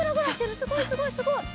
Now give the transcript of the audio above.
すごいすごいすごい。